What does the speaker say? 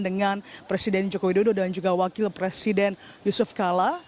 dengan presiden joko widodo dan juga wakil presiden yusuf kala